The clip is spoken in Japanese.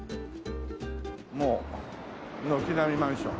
もう軒並みマンション。